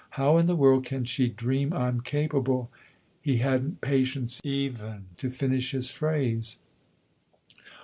" How in the world can she dream I'm capable ?" He hadn't patience even to finish his phrase.